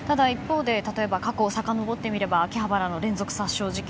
例えば、過去をさかのぼってみれば秋葉原の連続殺傷事件